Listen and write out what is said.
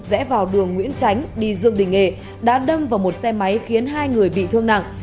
rẽ vào đường nguyễn tránh đi dương đình nghệ đã đâm vào một xe máy khiến hai người bị thương nặng